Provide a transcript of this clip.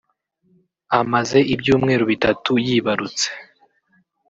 amaze ibyumweru bitatu yibarutse